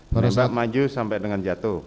mereka maju sampai dengan jatuh